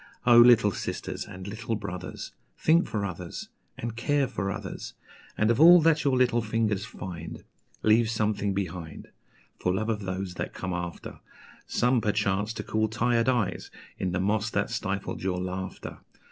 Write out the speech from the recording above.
Oh, little sisters and little brothers, Think for others, and care for others! And of all that your little fingers find, Leave something behind, For love of those that come after: Some, perchance, to cool tired eyes in the moss that stifled your laughter!